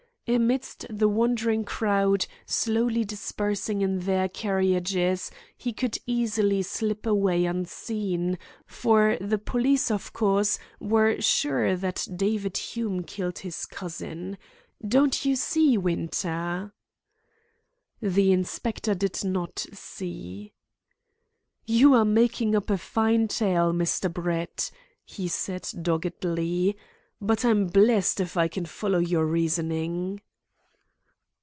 Amidst the wondering crowd, slowly dispersing in their carriages, he could easily slip away unseen, for the police, of course, were sure that David Hume killed his cousin. Don't you see, Winter?" The inspector did not see. "You are making up a fine tale, Mr. Brett," he said doggedly, "but I'm blessed if I can follow your reasoning."